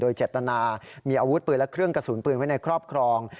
โดยเจตนามีอาวุธปืนและเครื่องกระสุนปืนไว้ในครอบครอง